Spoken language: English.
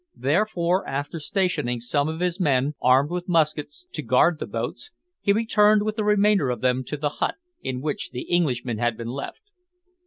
Therefore, after stationing some of his men, armed with muskets, to guard the boats, he returned with the remainder of them to the hut in which the Englishmen had been left.